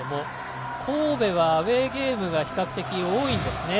神戸はアウェーゲームが比較的多いんですね。